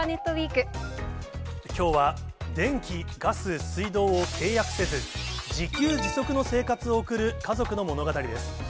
きょうは、電気、ガス、水道を契約せず、自給自足の生活を送る家族の物語です。